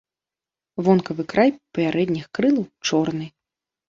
Вонкавы край пярэдніх крылаў чорны.